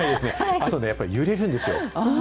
あとやっぱり揺れるんですよ。